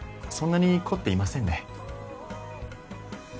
そんなに凝っていませんね